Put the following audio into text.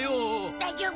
大丈夫。